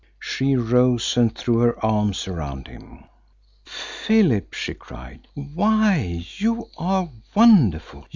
She rose and threw her arms around him. "Philip!" she cried. "Why, you are wonderful!